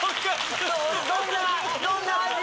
「どんな味？」